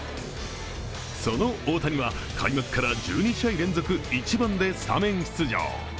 その大谷は開幕から１２試合連続１番でスタメン出場。